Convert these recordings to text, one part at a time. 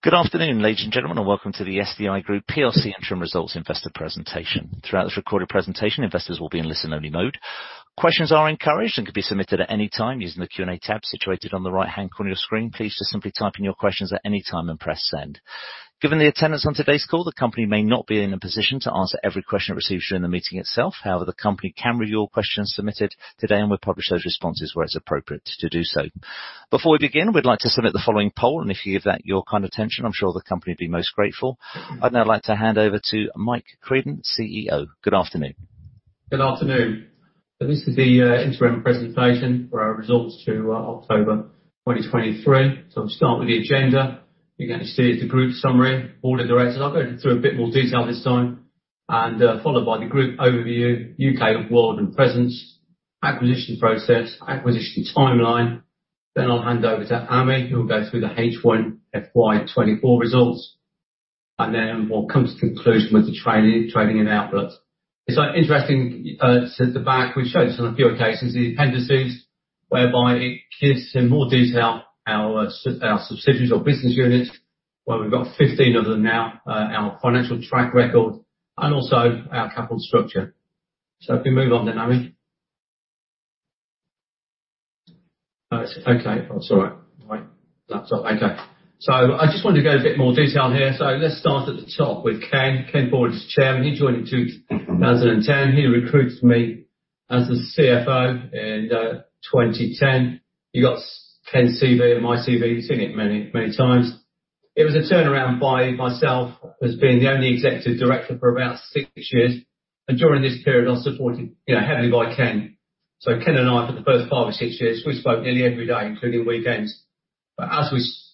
Good afternoon, ladies and gentlemen, and welcome to the SDI Group PLC Interim Results Investor Presentation. Throughout this recorded presentation, investors will be in listen-only mode. Questions are encouraged and can be submitted at any time using the Q&A tab situated on the right-hand corner of your screen. Please just simply type in your questions at any time and press Send. Given the attendance on today's call, the company may not be in a position to answer every question it receives during the meeting itself. However, the company can review all questions submitted today, and we'll publish those responses where it's appropriate to do so. Before we begin, we'd like to submit the following poll, and if you give that your kind attention, I'm sure the company will be most grateful. I'd now like to hand over to Mike Creedon, CEO. Good afternoon. Good afternoon. This is the interim presentation for our results to October 2023. So I'll start with the agenda. You're going to see the group summary, board of directors. I'll go through a bit more detail this time, and followed by the group overview, U.K. and world and presence, acquisition process, acquisition timeline. Then I'll hand over to Ami, who will go through the H1 FY 2024 results, and then we'll come to conclusion with the trading and outlook. It's interesting since the back. We've shown this on a few occasions, the appendices, whereby it gives in more detail our subsidiaries or business units, where we've got 15 of them now, our financial track record, and also our capital structure. So if we move on then, Ami. It's okay. It's all right. My laptop. Okay. So I just wanted to go a bit more detail here. So let's start at the top with Ken. Ken Ford as chairman. He joined in 2010. He recruited me as the CFO in 2010. He got Ken's CV and my CV. You've seen it many, many times. It was a turnaround by myself as being the only executive director for about six years, and during this period, I was supported, you know, heavily by Ken. So Ken and I, for the first five or six years, we spoke nearly every day, including weekends. But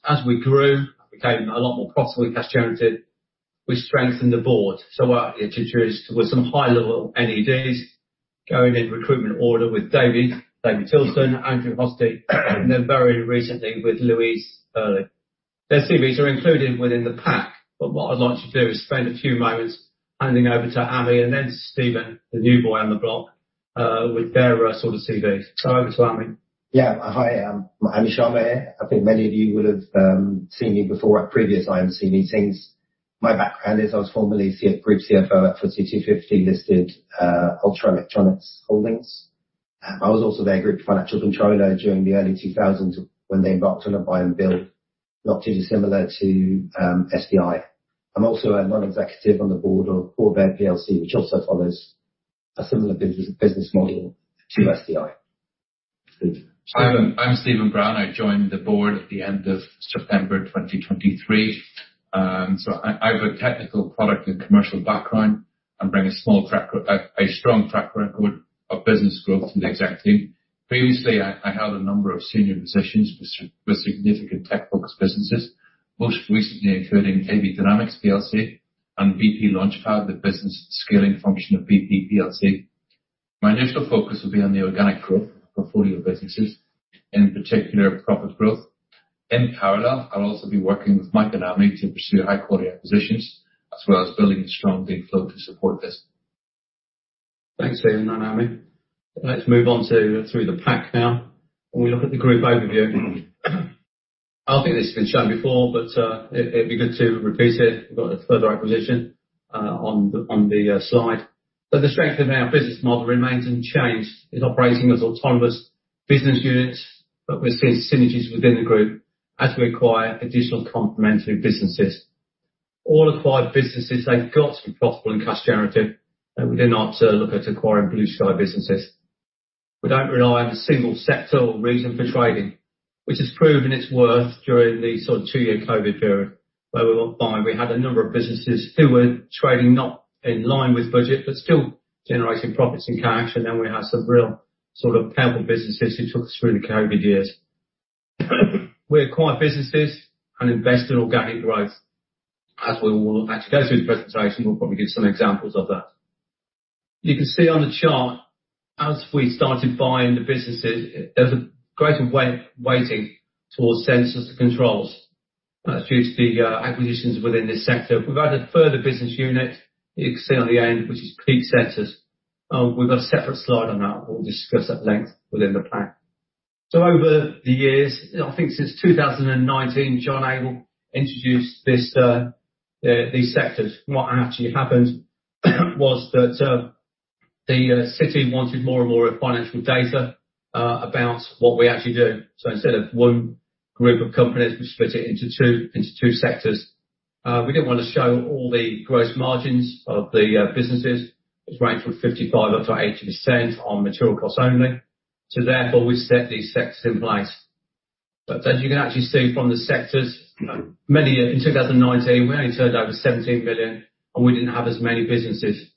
as we grew, became a lot more profitable, cash generative, we strengthened the board. So introduced with some high-level NEDs, going in recruitment order with David, David Tilston, Andrew Hosty, and then very recently with Louise Sherry. Their CVs are included within the pack, but what I'd like to do is spend a few moments handing over to Ami and then Stephen, the new boy on the block, with their sort of CVs. So over to Ami. Yeah. Hi, Ami Sharma here. I think many of you will have seen me before at previous IMC meetings. My background is I was formerly Group CFO for 250-listed, Ultra Electronics Holdings. I was also their Group Financial Controller during the early 2000s, when they embarked on a buy and build, not too dissimilar to, SDI. I'm also a non-executive on the board of Cohort plc, which also follows a similar business, business model to SDI. Hi, I'm Stephen Brown. I joined the board at the end of September 2023. I have a technical product and commercial background and bring a strong track record of business growth to the executive. Previously, I held a number of senior positions with significant tech-focused businesses, most recently including AB Dynamics plc and BP Launchpad, the business scaling function of BP plc. My initial focus will be on the organic growth of portfolio businesses, in particular, profit growth. In parallel, I'll also be working with Mike and Ami to pursue high-quality acquisitions, as well as building a strong deal flow to support this. Thanks, Stephen and Ami. Let's move on through the pack now, and we look at the group overview. I don't think this has been shown before, but it would be good to repeat it. We've got a further acquisition on the slide. But the strength of our business model remains unchanged. It's operating as autonomous business units, but we're seeing synergies within the group as we acquire additional complementary businesses. All acquired businesses, they've got to be profitable and cash generative, and we did not look at acquiring blue sky businesses. We don't rely on a single sector or reason for trading, which has proven its worth during the sort of two-year COVID period, where we were buying, we had a number of businesses who were trading, not in line with budget, but still generating profits and cash, and then we had some real sort of powerful businesses who took us through the COVID years. We acquire businesses and invest in organic growth. As we will actually go through the presentation, we'll probably give some examples of that. You can see on the chart, as we started buying the businesses, there's a greater weighting towards Sensors & Controls. That's due to the acquisitions within this sector. We've added a further business unit, you can see on the end, which is Peak Sensors. We've got a separate slide on that, we'll discuss at length within the pack. So over the years, I think since 2019, Jon Abell introduced this, these sectors. What actually happened, was that, the City wanted more and more financial data, about what we actually do. So instead of one group of companies, we split it into two, into two sectors. We didn't want to show all the gross margins of the, businesses. It's ranged from 55%-80% on material costs only. So therefore, we set these sectors in place. But as you can actually see from the sectors, many years, in 2019, we only turned over 17 million, and we didn't have as many businesses.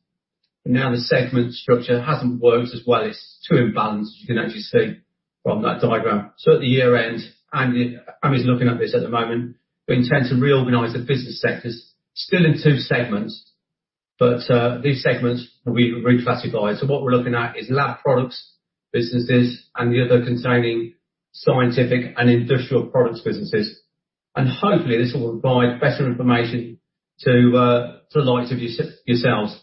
Now, the segment structure hasn't worked as well. It's too imbalanced, you can actually see from that diagram. So at the year end, Ami, Ami's looking at this at the moment, we intend to reorganize the business sectors, still in two segments, but these segments will be reclassified. So what we're looking at is lab products businesses, and the other containing scientific and industrial products businesses. And hopefully, this will provide better information to, for the likes of yourselves.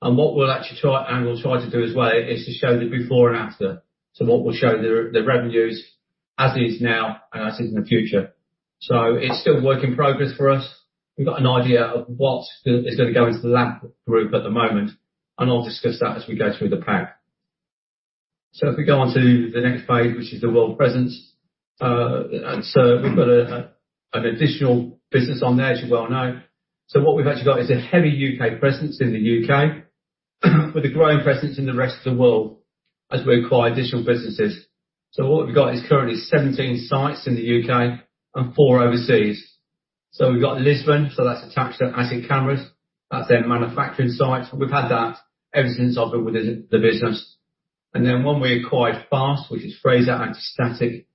And what we'll actually try, and we'll try to do as well, is to show the before and after. So what we'll show the revenues as is now and as is in the future. So it's still a work in progress for us. We've got an idea of what is gonna go into that group at the moment, and I'll discuss that as we go through the pack. So if we go on to the next page, which is the world presence, and so we've got an additional business on there, as you well know. So what we've actually got is a heavy U.K. presence in the U.K., with a growing presence in the rest of the world as we acquire additional businesses. So what we've got is currently 17 sites in the U.K. and four overseas. So we've got Lisbon, so that's attached to Atik Cameras. That's their manufacturing site. We've had that ever since Opus within the business. And then one we acquired FAST, which is Fraser Anti-Static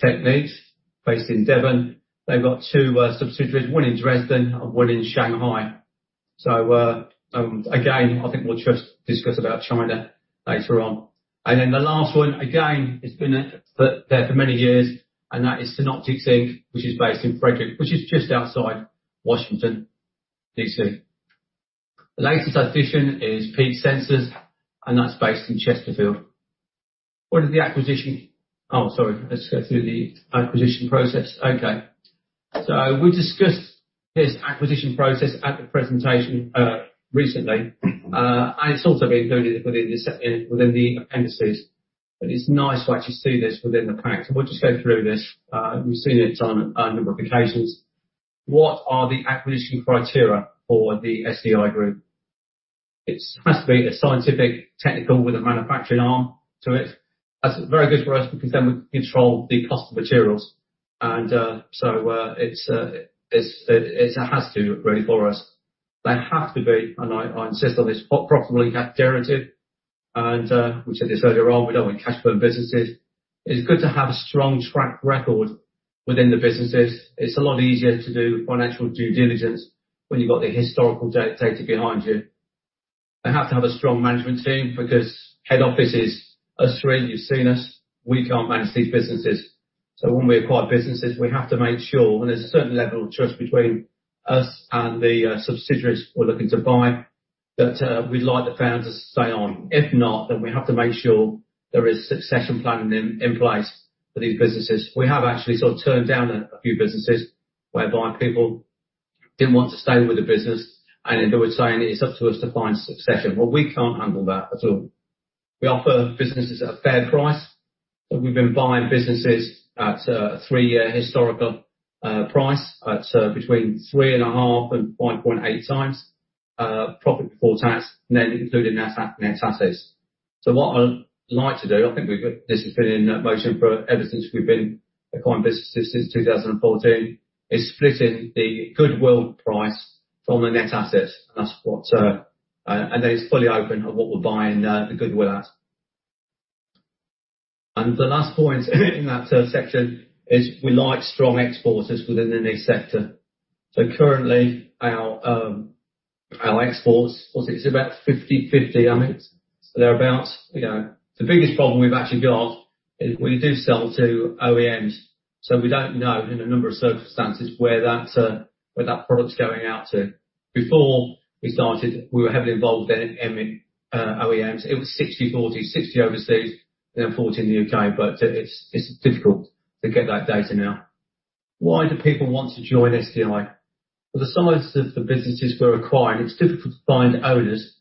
Techniques, based in Devon. They've got two subsidiaries, one in Dresden and one in Shanghai. So again, I think we'll just discuss about China later on. And then the last one, again, it's been there for many years, and that is Synoptics Inc., which is based in Frederick, which is just outside Washington, D.C. The latest addition is Peak Sensors, and that's based in Chesterfield. What is the acquisition? Oh, sorry, let's go through the acquisition process. Okay. So we discussed this acquisition process at the presentation recently, and it's also been included within the appendices. But it's nice to actually see this within the pack. So we'll just go through this. We've seen it on a number of occasions. What are the acquisition criteria for the SDI Group? It has to be a scientific, technical with a manufacturing arm to it. That's very good for us because then we control the cost of materials, and so it's. It has to, really, for us. They have to be, and I insist on this, profit generated and we said this earlier on. We don't want cash flow businesses. It's good to have a strong track record within the businesses. It's a lot easier to do financial due diligence when you've got the historical data behind you. They have to have a strong management team, because head office is us three, and you've seen us. We can't manage these businesses. So when we acquire businesses, we have to make sure, and there's a certain level of trust between us and the subsidiaries we're looking to buy, that we'd like the founders to stay on. If not, then we have to make sure there is succession planning in place for these businesses. We have actually sort of turned down a few businesses whereby people didn't want to stay with the business, and they were saying, "It's up to us to find succession." Well, we can't handle that at all. We offer businesses a fair price, but we've been buying businesses at a three-year historical price at between 3.5 and 5.8x profit before tax, net, including net assets. So what I'd like to do, I think we've got this has been in motion ever since we've been acquiring businesses, since 2014, is splitting the goodwill price from the net assets. And that's what, and it's fully open on what we're buying the goodwill at. And the last point in that section is we like strong exporters within the niche sector. So currently our exports, what's it? It's about 50/50, Ami? So thereabout, you know. The biggest problem we've actually got is we do sell to OEMs, so we don't know in a number of circumstances where that product's going out to. Before we started, we were heavily involved in OEMs. It was 60/40. 60 overseas, and then 40 in the U.K., but it's difficult to get that data now. Why do people want to join SDI? For the size of the businesses we're acquiring, it's difficult to find owners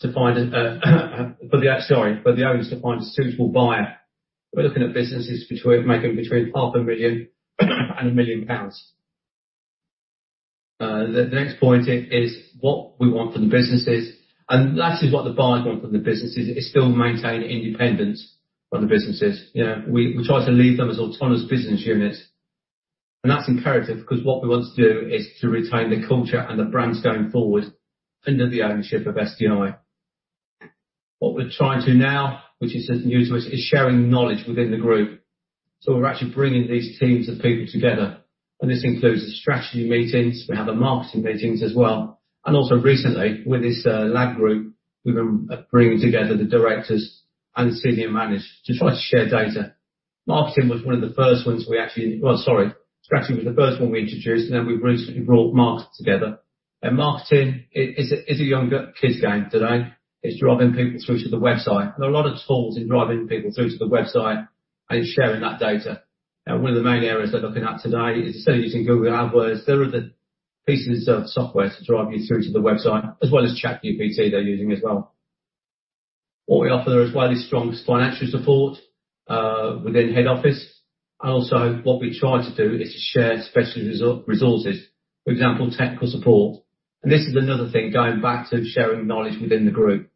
to find, for the owners to find a suitable buyer. We're looking at businesses between making between 0.5 million and 1 million pounds. The next point is what we want from the businesses, and that is what the buyer want from the businesses, is still maintain independence from the businesses. You know, we try to leave them as autonomous business units, and that's imperative because what we want to do is to retain the culture and the brands going forward under the ownership of SDI. What we're trying to now, which is new to us, is sharing knowledge within the group. So we're actually bringing these teams of people together, and this includes the strategy meetings. We have the marketing meetings as well. And also recently, with this lab group, we've been bringing together the directors and senior managers to try to share data. Marketing was one of the first ones we actually. Well, sorry. Strategy was the first one we introduced, and then we've recently brought marketing together. Marketing is a younger kids game today. It's driving people through to the website. There are a lot of tools in driving people through to the website and sharing that data. One of the main areas they're looking at today is, instead of using Google AdWords, there are the pieces of software to drive you through to the website, as well as ChatGPT, they're using as well. What we offer is widely strong financial support within head office, and also what we try to do is to share special resources, for example, technical support. This is another thing, going back to sharing knowledge within the group.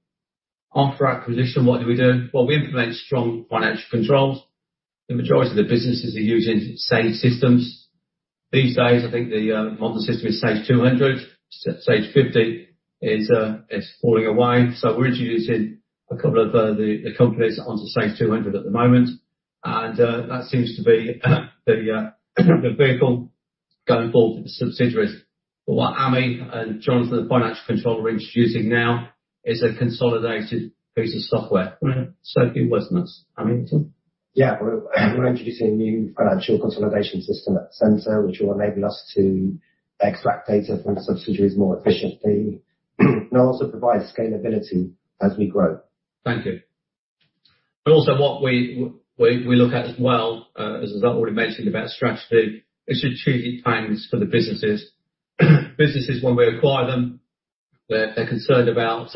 After acquisition, what do we do? Well, we implement strong financial controls. The majority of the businesses are using Sage systems. These days, I think the modern system is Sage 200. Sage 50 is falling away. So we're introducing a couple of the companies onto Sage 200 at the moment, and that seems to be the vehicle going forward with subsidiaries. But what Ami and Jonathan, the financial controller, are introducing now is a consolidated piece of software. So a few words on this, Ami? Yeah, we're introducing a new financial consolidation system at the center, which will enable us to extract data from subsidiaries more efficiently, and also provide scalability as we grow. Thank you. But also what we look at as well, as I've already mentioned about strategy, is strategic plans for the businesses. Businesses, when we acquire them, they're concerned about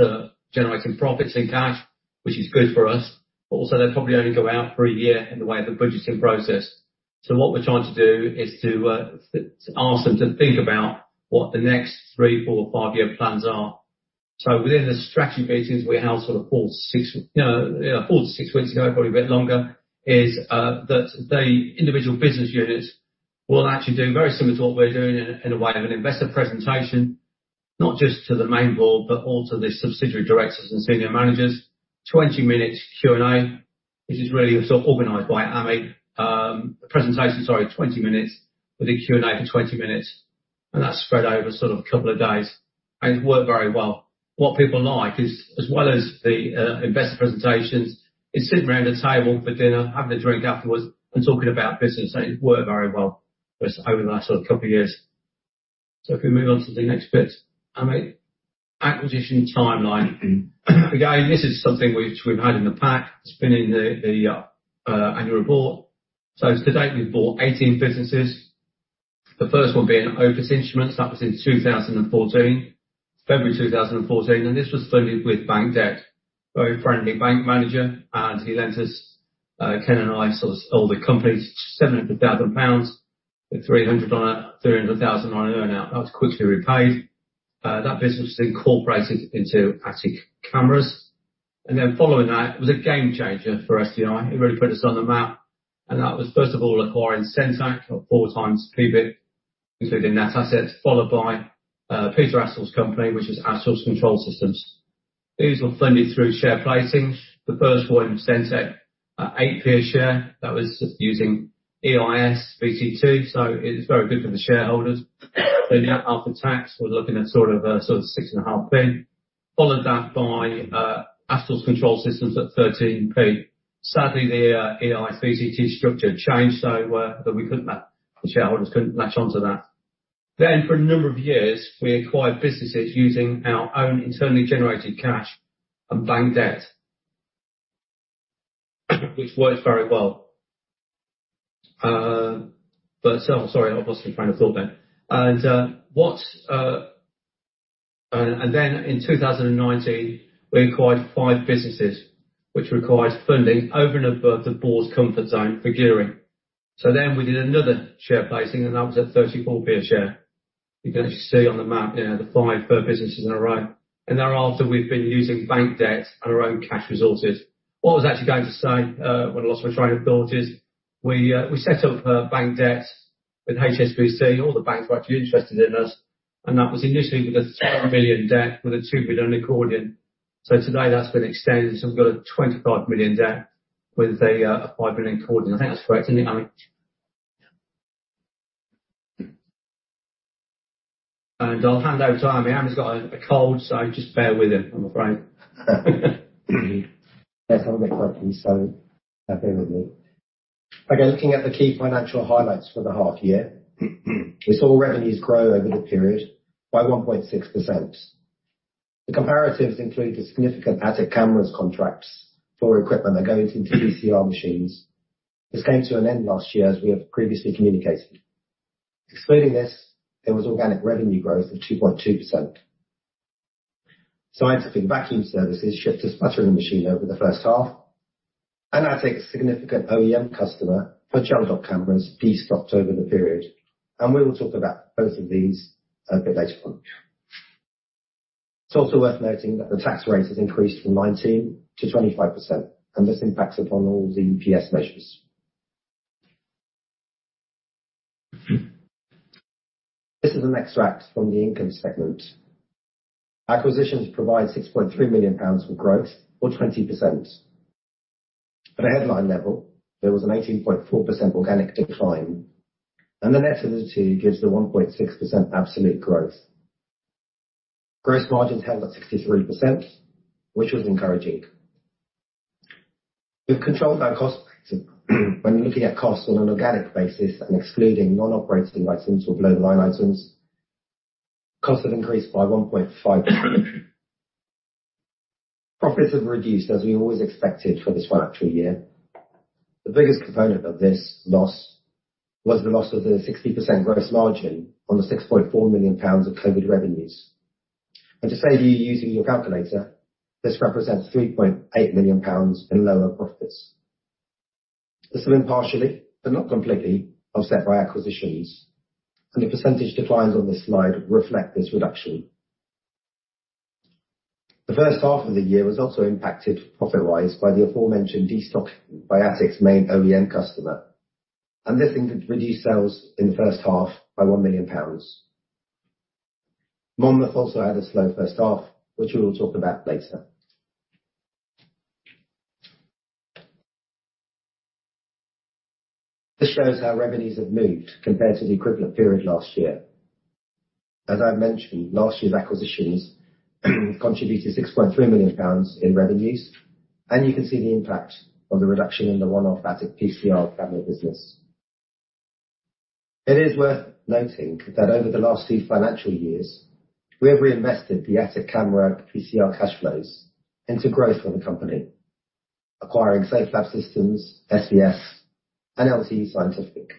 generating profits and cash, which is good for us, but also they probably only go out for a year in the way of the budgeting process. So what we're trying to do is to ask them to think about what the next three, four, or five-year plans are. So within the strategy meetings we held sort of four, six, you know, four to six weeks ago, probably a bit longer, is that the individual business units will actually do very similar to what we're doing in a way of an investor presentation, not just to the main board, but also the subsidiary directors and senior managers. 20 minutes Q&A, which is really sort of organized by Ami. The presentation, sorry, 20 minutes, with a Q&A for 20 minutes, and that's spread over sort of a couple of days, and it worked very well. What people like is, as well as the investor presentations, is sitting around a table for dinner, having a drink afterwards, and talking about business. So it worked very well for us over the last couple of years. So if we move on to the next bit, Ami. Acquisition timeline. Again, this is something which we've had in the pack. It's been in the annual report. So to date, we've bought 18 businesses, the first one being Opus Instruments. That was in 2014, February 2014, and this was funded with bank debt. Very friendly bank manager, and he lent us, Ken and I, so all the companies, 700 thousand pounds, at 300 thousand on an earn-out. That was quickly repaid. That business was incorporated into Atik Cameras, and then following that, it was a game changer for SDI. It really put us on the map, and that was, first of all, acquiring Sentek, 4x EBIT, including net assets, followed by Peter Astles's company, which is Astles Control Systems. These were funded through share placings. The first one, Sentek, at 8 pence a share. That was just using EIS VCT, so it was very good for the shareholders. So the after-tax, we're looking at sort of, sort of 6.5 pence, followed that by Astles Control Systems at 13 pence. Sadly, the EIS VCT structure changed, so we couldn't match. The shareholders couldn't latch onto that. Then, for a number of years, we acquired businesses using our own internally generated cash and bank debt, which worked very well. Sorry, I lost my train of thought there. Then in 2019, we acquired five businesses, which required funding over and above the board's comfort zone for gearing. So then we did another share placing, and that was at 34 pence a share. You can actually see on the map there, the five businesses in a row, and thereafter, we've been using bank debt and our own cash resources. What I was actually going to say, when I lost my train of thought is, we set up bank debts with HSBC. All the banks were actually interested in us, and that was initially with a 2 million debt, with a 2 million accordion. So today, that's been extended, so we've got a 25 million debt with a 5 million accordion. I think that's correct, isn't it, Ami? Yeah. I'll hand over to Ami. Ami's got a cold, so just bear with him, I'm afraid. Yes, I'm a bit croaky, so bear with me. Again, looking at the key financial highlights for the half year, we saw revenues grow over the period by 1.6%. The comparatives include the significant Atik Cameras contracts for equipment that go into PCR machines. This came to an end last year, as we have previously communicated. Excluding this, there was organic revenue growth of 2.2%. Scientific Vacuum Systems shipped a sputtering machine over the first half, and Atik's significant OEM customer for gel doc cameras destocked over the period, and we will talk about both of these a bit later on. It's also worth noting that the tax rate has increased from 19% to 25%, and this impacts upon all the P&L measures. This is an extract from the income statement. Acquisitions provide 6.3 million pounds for growth or 20%. At a headline level, there was an 18.4% organic decline, and the net of the two gives the 1.6% absolute growth. Gross margins held at 63%, which was encouraging. We've controlled our costs. When looking at costs on an organic basis and excluding non-operating items or below-the-line items, costs have increased by 1.5. Profits have reduced, as we always expected for this financial year. The biggest component of this loss was the loss of the 60% gross margin on the 6.4 million pounds of COVID revenues. And to save you using your calculator, this represents 3.8 million pounds in lower profits. This was partially, but not completely, offset by acquisitions, and the percentage declines on this slide reflect this reduction. The first half of the year was also impacted, profit-wise, by the aforementioned destocking by Atik's main OEM customer, and this reduced sales in the first half by 1 million pounds. Monmouth also had a slow first half, which we will talk about later. This shows how revenues have moved compared to the equivalent period last year. As I mentioned, last year's acquisitions have contributed 6.3 million pounds in revenues, and you can see the impact of the reduction in the one-off Atik PCR camera business. It is worth noting that over the last two financial years, we have reinvested the Atik camera PCR cash flows into growth for the company, acquiring Safelab Systems, SVS, and LTE Scientific.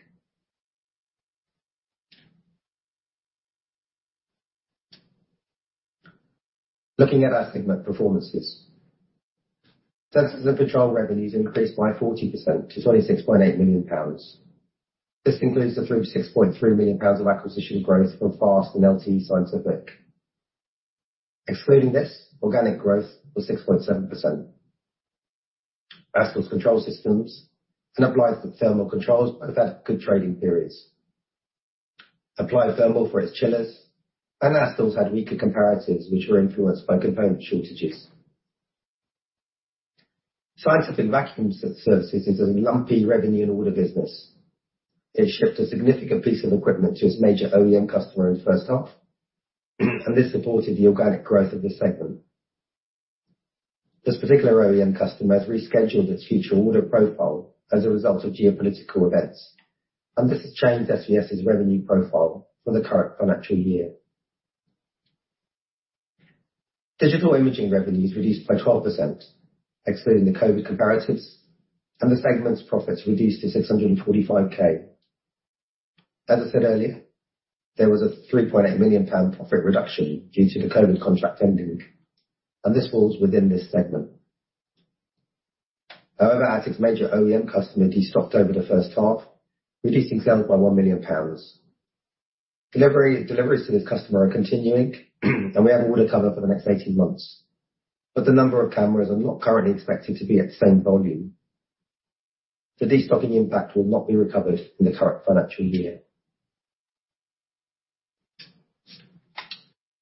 Looking at our segment performances. Sensors & Control revenues increased by 40% to 26.8 million pounds. This includes the 3-6.3 million pounds of acquisition growth from FAST and LTE Scientific. Excluding this, organic growth was 6.7%. Astles Control Systems and Applied Thermal Control both had good trading periods. Applied Thermal for its chillers, and Astles had weaker comparatives, which were influenced by component shortages. Scientific Vacuum Systems is a lumpy revenue and order business. It shipped a significant piece of equipment to its major OEM customer in the first half, and this supported the organic growth of this segment. This particular OEM customer has rescheduled its future order profile as a result of geopolitical events, and this has changed SVS's revenue profile for the current financial year. Digital Imaging revenues reduced by 12%, excluding the COVID comparatives, and the segment's profits reduced to 645K. As I said earlier, there was a 3.8 million pound profit reduction due to the COVID contract ending, and this falls within this segment. However, Atik's major OEM customer de-stocked over the first half, reducing sales by 1 million pounds. Deliveries to this customer are continuing, and we have order cover for the next 18 months, but the number of cameras are not currently expected to be at the same volume. The de-stocking impact will not be recovered in the current financial year.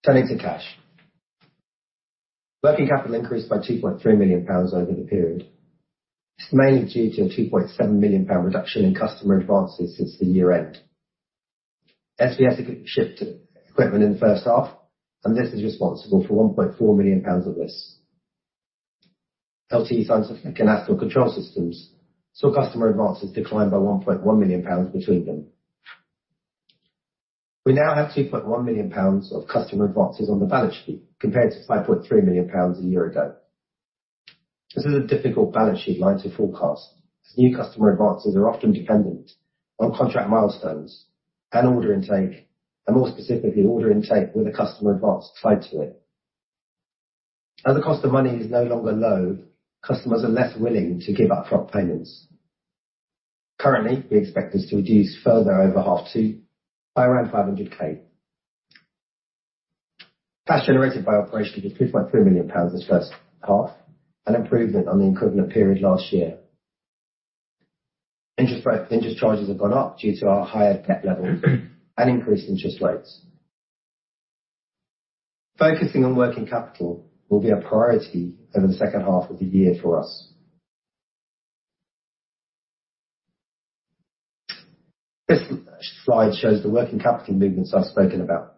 Turning to cash. Working capital increased by 2.3 million pounds over the period. It's mainly due to a 2.7 million pound reduction in customer advances since the year end. SVS shipped equipment in the first half, and this is responsible for 1.4 million pounds of this. LTE Scientific and Astles Control Systems saw customer advances decline by 1.1 million pounds between them. We now have 2.1 million pounds of customer advances on the balance sheet, compared to 5.3 million pounds a year ago. This is a difficult balance sheet line to forecast, as new customer advances are often dependent on contract milestones and order intake, and more specifically, order intake with a customer advance tied to it. As the cost of money is no longer low, customers are less willing to give up front payments. Currently, we expect this to reduce further over half two by around 500,000. Cash generated by operations was 2.3 million pounds this first half, an improvement on the equivalent period last year. Interest charges have gone up due to our higher debt levels and increased interest rates. Focusing on working capital will be a priority over the second half of the year for us. This slide shows the working capital movements I've spoken about.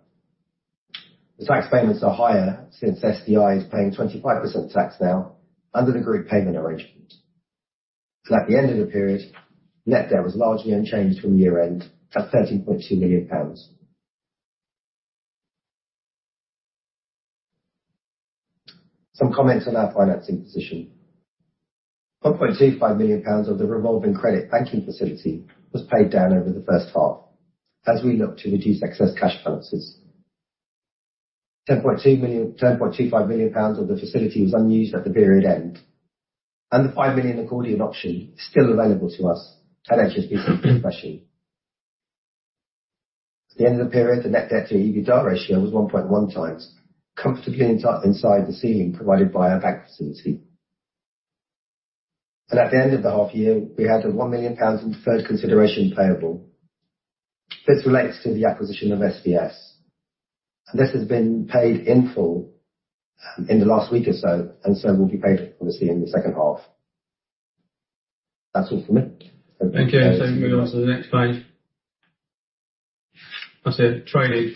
The tax payments are higher since SDI is paying 25% tax now under the group payment arrangement. At the end of the period, net debt was largely unchanged from the year-end at 13.2 million pounds. Some comments on our financing position. 1.25 million pounds of the revolving credit banking facility was paid down over the first half, as we look to reduce excess cash balances. 10.25 million pounds of the facility was unused at the period end, and the 5 million accordion option is still available to us at HSBC facility. At the end of the period, the net debt to EBITDA ratio was 1.1x, comfortably inside the ceiling provided by our bank facility. And at the end of the half year, we had 1 million pounds in deferred consideration payable. This relates to the acquisition of SVS, and this has been paid in full, in the last week or so, and so will be paid obviously in the second half. That's all from me. Thank you. So move on to the next page. That's it, trading.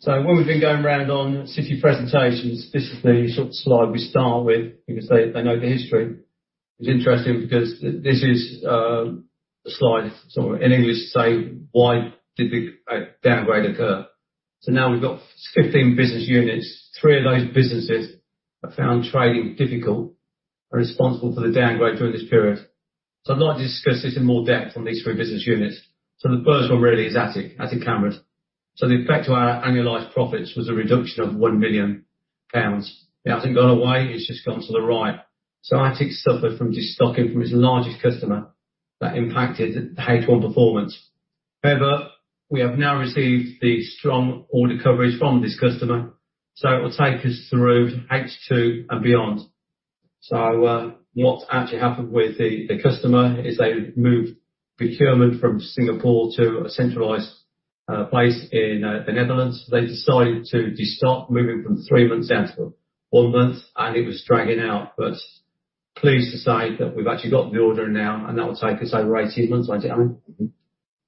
So when we've been going around on city presentations, this is the sort of slide we start with, because they, they know the history. It's interesting because this is, a slide, sort of in English, saying, "Why did the downgrade occur?" So now we've got 15 business units. Three of those businesses have found trading difficult and responsible for the downgrade during this period. So I'd like to discuss this in more depth on these three business units. So the first one really is Atik, Atik Cameras. So the impact to our annualized profits was a reduction of 1 million pounds. It hasn't gone away, it's just gone to the right. So Atik suffered from just destocking from its largest customer. That impacted the H1 performance. However, we have now received the strong order coverage from this customer, so it will take us through H2 and beyond. So, what actually happened with the customer is they moved procurement from Singapore to a centralized place in the Netherlands. They decided to just start moving from three months down to one month, and it was dragging out, but pleased to say that we've actually got the order now, and that will take us over 18 months, right, Ami?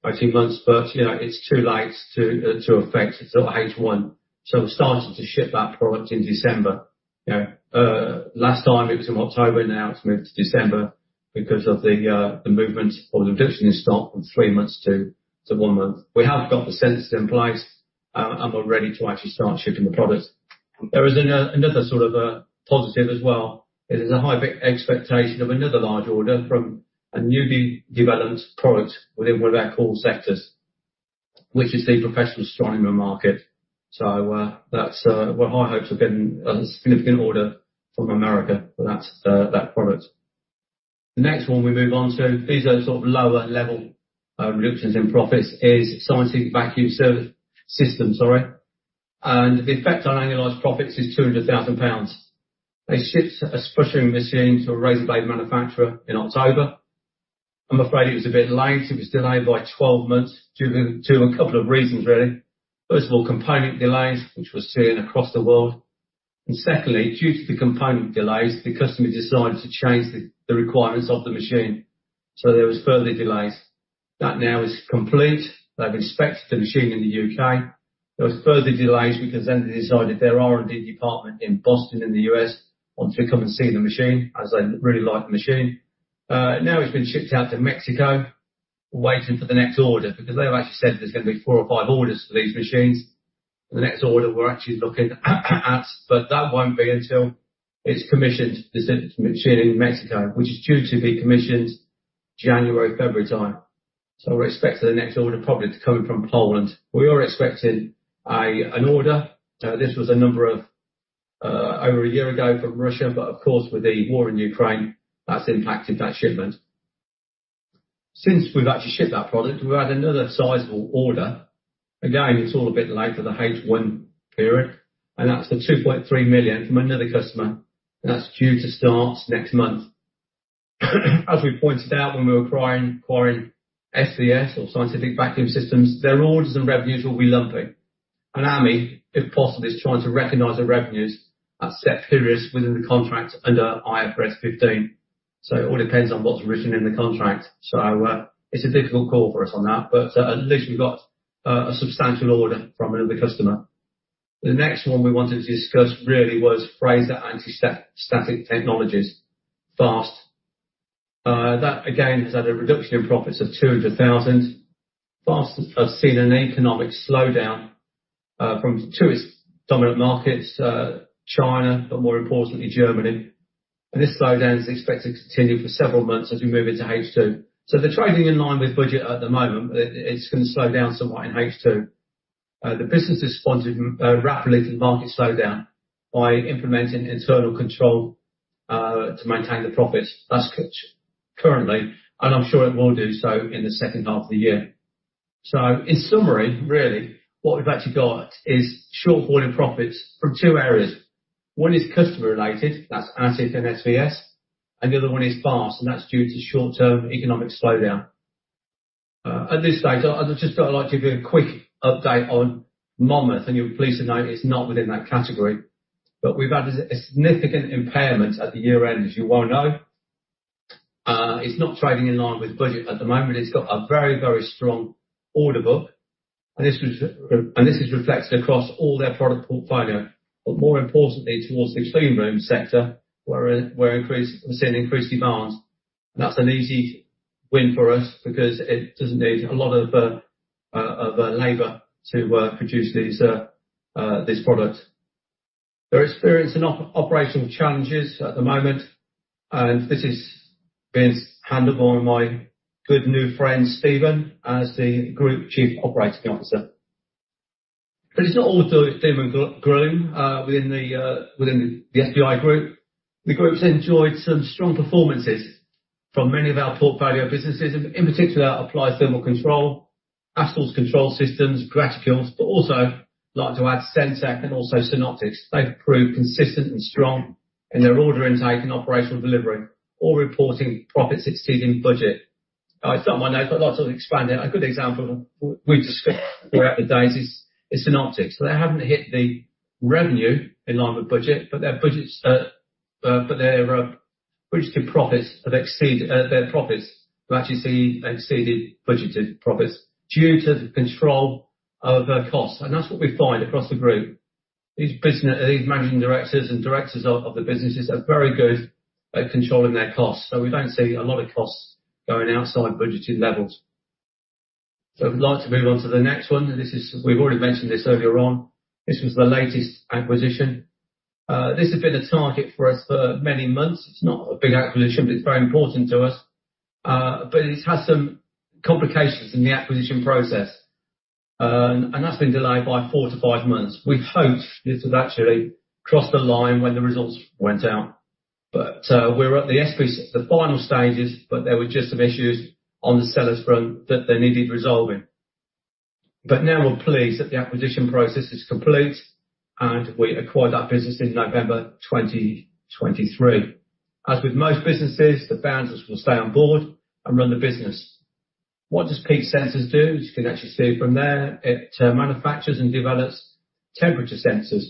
Mm-hmm, 18 months, but, you know, it's too late to affect until H1. So we're starting to ship that product in December. You know, last time it was in October, now it's moved to December because of the movement or the reduction in stock from three months to one month. We have got the sensors in place, and we're ready to actually start shipping the product. There is another sort of positive as well. There's a high expectation of another large order from a newly developed product within one of our core sectors, which is the professional astronomy market. So, that's what our high hopes have been, a significant order from America for that product. The next one we move on to, these are sort of lower level reductions in profits, is Scientific Vacuum Systems. And the effect on annualized profits is 200,000 pounds. They shipped a sputtering machine to a razor blade manufacturer in October. I'm afraid it was a bit late. It was delayed by 12 months, due to a couple of reasons, really. First of all, component delays, which we're seeing across the world. And secondly, due to the component delays, the customer decided to change the requirements of the machine, so there was further delays. That now is complete. They've inspected the machine in the U.K. There was further delays because then they decided their R&D department in Boston, in the U.S., wanted to come and see the machine, as they really like the machine. Now it's been shipped out to Mexico, waiting for the next order, because they've actually said there's gonna be four or five orders for these machines. The next order we're actually looking at, but that won't be until it's commissioned, the machine in Mexico, which is due to be commissioned January, February time. So we're expecting the next order probably to come in from Poland. We are expecting an order. This was a number of over a year ago from Russia, but of course, with the war in Ukraine, that's impacted that shipment. Since we've actually shipped that product, we've had another sizable order. Again, it's all a bit late for the H1 period, and that's the 2.3 million from another customer, and that's due to start next month. As we pointed out, when we were acquiring SVS or Scientific Vacuum Systems, their orders and revenues will be lumpy. And Ami, if possible, is trying to recognize the revenues at set periods within the contract under IFRS 15. So it all depends on what's written in the contract. So, it's a difficult call for us on that, but at least we've got a substantial order from another customer. The next one we wanted to discuss really was Fraser Anti-Static Techniques, FAST. That again has had a reduction in profits of 200,000. FAST have seen an economic slowdown from two of its dominant markets, China, but more importantly, Germany. And this slowdown is expected to continue for several months as we move into H2. So they're trading in line with budget at the moment, but it's gonna slow down somewhat in H2. The business has responded rapidly to market slowdown by implementing internal control to maintain the profits. That's currently, and I'm sure it will do so in the second half of the year. So in summary, really, what we've actually got is shortfall in profits from two areas. One is customer related, that's ATK and SVS, and the other one is FAST, and that's due to short-term economic slowdown. At this stage, I'd just like to give you a quick update on Monmouth, and you'll be pleased to know it's not within that category, but we've had a significant impairment at the year-end, as you well know. It's not trading in line with budget at the moment. It's got a very, very strong order book, and this is reflected across all their product portfolio, but more importantly, towards the clean room sector, where we're seeing increased demand. And that's an easy win for us because it doesn't need a lot of labor to produce these products. They're experiencing operational challenges at the moment, and this is being handled by my good new friend, Stephen, as the Group Chief Operating Officer. But it's not all doom and gloom within the SDI group. The group's enjoyed some strong performances from many of our portfolio businesses, in particular, Applied Thermal Control, Astles Control Systems, Graticules, but also, I'd like to add Sentek and also Synoptics. They've proved consistent and strong in their order intake and operational delivery or reporting profits exceeding budget. I've got my notes, I'd like to expand it. A good example we've discussed throughout the days is Synoptics. They haven't hit the revenue in line with budget, but their budgeted profits have exceeded their profits. We've actually seen exceeded budgeted profits due to the control of their costs, and that's what we find across the group. These managing directors and directors of the businesses are very good at controlling their costs, so we don't see a lot of costs going outside budgeted levels. So I'd like to move on to the next one. This is, we've already mentioned this earlier on. This was the latest acquisition. This has been a target for us for many months. It's not a big acquisition, but it's very important to us. But it has some complications in the acquisition process, and that's been delayed by four-five months. We'd hoped this would actually cross the line when the results went out, but we're at the final stages, but there were just some issues on the seller's front that they needed resolving. But now we're pleased that the acquisition process is complete, and we acquired that business in November 2023. As with most businesses, the founders will stay on board and run the business. What does Peak Sensors do? As you can actually see from there, it manufactures and develops temperature sensors,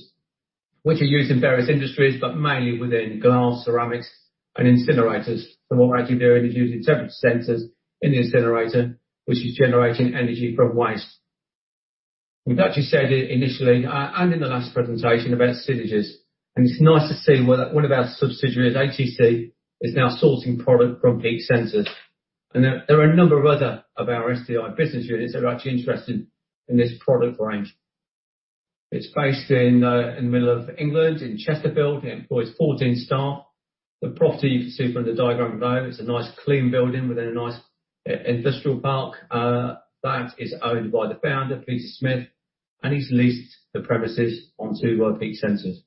which are used in various industries, but mainly within glass, ceramics, and incinerators. So what we're actually doing is using temperature sensors in the incinerator, which is generating energy from waste. We've actually said it initially, and in the last presentation about synergies, and it's nice to see one of our subsidiaries, ATC, is now sourcing product from Peak Sensors. And there are a number of other of our SDI business units that are actually interested in this product range. It's based in the middle of England, in Chesterfield. It employs 14 staff. The property, you can see from the diagram there, it's a nice, clean building within a nice industrial park that is owned by the founder, Peter Smith, and he's leased the premises on to Peak Sensors.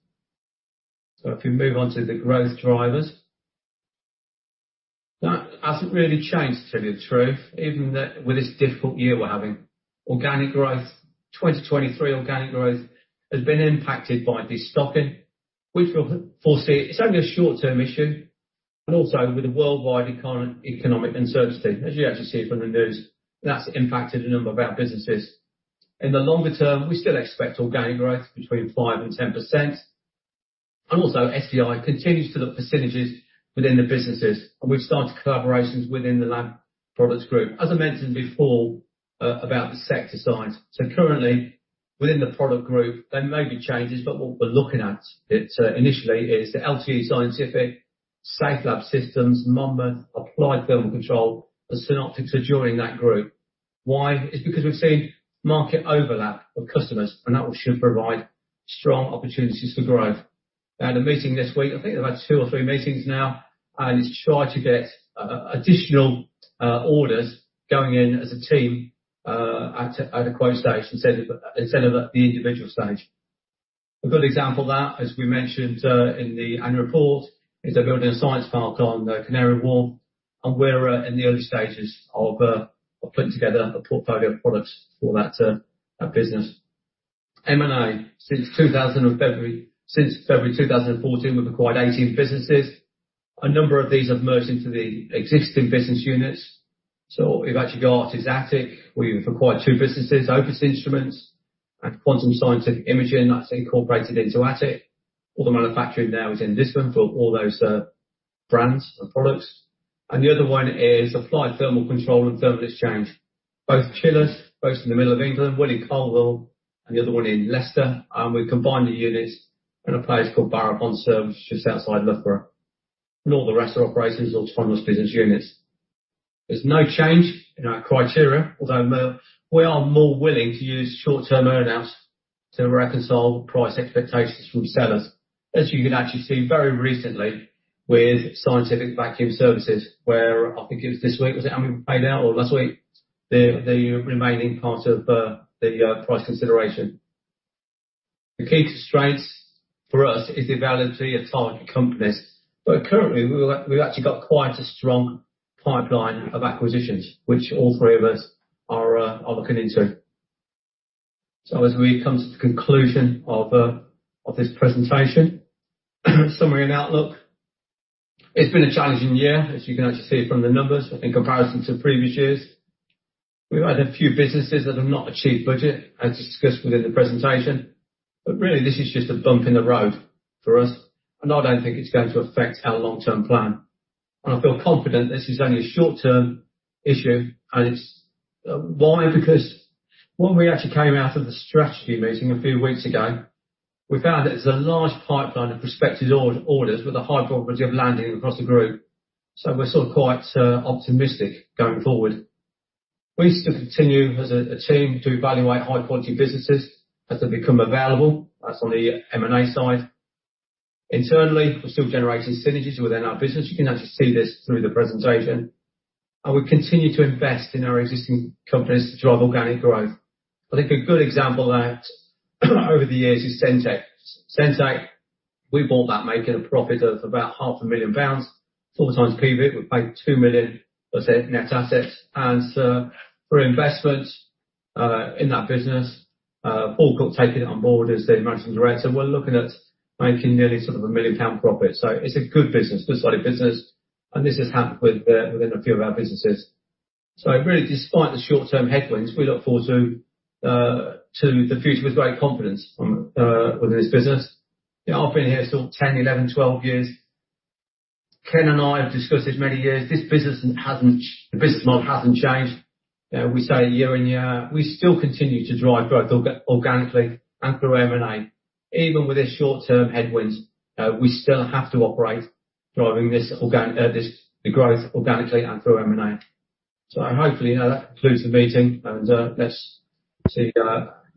So if we move on to the growth drivers. That hasn't really changed, to tell you the truth, even with this difficult year we're having. Organic growth, 2023 organic growth has been impacted by destocking, which we foresee it's only a short-term issue, and also with the worldwide economic uncertainty, as you actually see from the news, and that's impacted a number of our businesses. In the longer term, we still expect organic growth between 5% and 10%, and also, SDI continues to look for synergies within the businesses, and we've started collaborations within the lab products group. As I mentioned before, about the sector size, so currently within the product group, there may be changes, but what we're looking at it, initially, is the LTE Scientific, Safelab Systems, Monmouth Scientific, Applied Thermal Control, and Synoptics are joining that group. Why? It's because we've seen market overlap of customers, and that one should provide strong opportunities for growth. I had a meeting this week, I think I've had two or three meetings now, and it's to try to get, additional, orders going in as a team, at a, at a quotation stage instead of, instead of at the individual stage. A good example of that, as we mentioned, in the annual report, is they're building a science park on the Canary Wharf, and we're, in the early stages of, of putting together a portfolio of products for that, business. M&A, since February 2014, we've acquired 18 businesses. A number of these have merged into the existing business units, so we've actually got Atik. We've acquired two businesses, Opus Instruments and Quantum Scientific Imaging, that's incorporated into Atik. All the manufacturing now is in Lisbon for all those brands and products. The other one is Applied Thermal Control and Thermal Exchange. Both chillers, both in the middle of England, one in Coalville and the other one in Leicester. We've combined the units in a place called Barrow-on-Soar, just outside Loughborough. All the rest are operating as autonomous business units. There's no change in our criteria, although we are more willing to use short-term earn-outs to reconcile price expectations from sellers, as you can actually see very recently with Scientific Vacuum Systems, where I think it was this week, was it, Ami, we paid out or last week? The remaining part of the price consideration. The key to strengths for us is the value of the target companies, but currently, we've actually got quite a strong pipeline of acquisitions, which all three of us are looking into. So as we come to the conclusion of this presentation, summary and outlook. It's been a challenging year, as you can actually see from the numbers, in comparison to previous years. We've had a few businesses that have not achieved budget, as discussed within the presentation. But really, this is just a bump in the road for us, and I don't think it's going to affect our long-term plan. I feel confident this is only a short-term issue, and it's... Why? Because when we actually came out of the strategy meeting a few weeks ago, we found that there's a large pipeline of prospective orders with a high probability of landing across the group. So we're sort of quite optimistic going forward. We still continue as a team to evaluate high-quality businesses as they become available. That's on the M&A side. Internally, we're still generating synergies within our business. You can actually see this through the presentation, and we continue to invest in our existing companies to drive organic growth. I think a good example of that, over the years is Sentek. Sentek, we bought that making a profit of about 500,000 pounds, 4x EBIT, we made 2 million, let's say, net assets. And, for investment in that business, Paul got taken on board as the managing director. We're looking at making nearly sort of a 1 million pound profit. So it's a good business, good solid business, and this has happened with within a few of our businesses. So really, despite the short-term headwinds, we look forward to the future with great confidence from within this business. I've been here sort of 10, 11, 12 years. Ken and I have discussed this many years. This business hasn't changed. The business model hasn't changed. We say year-on-year, we still continue to drive growth organically and through M&A. Even with the short-term headwinds, we still have to operate driving this the growth organically and through M&A. So hopefully, that concludes the meeting, and let's see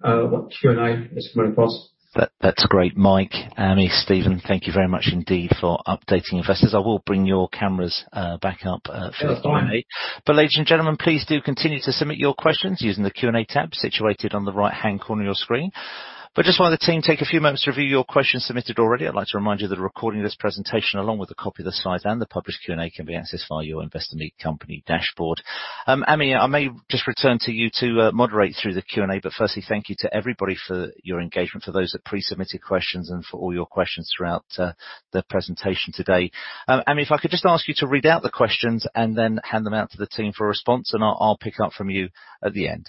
what Q&A is coming across. That, that's great, Mike. Ami, Stephen, thank you very much indeed for updating investors. I will bring your cameras back up for the Q&A. But ladies and gentlemen, please do continue to submit your questions using the Q&A tab situated on the right-hand corner of your screen. But just while the team take a few moments to review your questions submitted already, I'd like to remind you that a recording of this presentation, along with a copy of the slides and the published Q&A, can be accessed via your Investor Meet company dashboard. Ami, I may just return to you to moderate through the Q&A, but firstly, thank you to everybody for your engagement, for those that pre-submitted questions and for all your questions throughout the presentation today. Ami, if I could just ask you to read out the questions and then hand them out to the team for a response, and I'll pick up from you at the end.